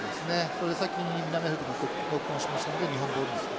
それで先に南アフリカがノックオンしましたので日本ボールにする。